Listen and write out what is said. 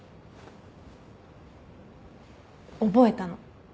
覚えたの。